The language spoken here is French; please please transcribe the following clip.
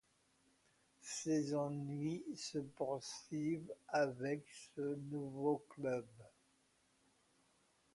Ses ennuis se poursuivent avec ce nouveau club.